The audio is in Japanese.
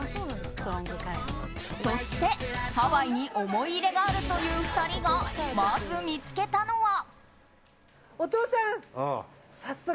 そして、ハワイに思い入れがあるという２人がまず見つけたのは。